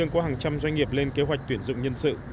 có hàng trăm doanh nghiệp lên kế hoạch tuyển dụng nhân sự